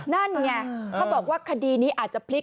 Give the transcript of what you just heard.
นั่นไงเขาบอกว่าคดีนี้อาจจะพลิก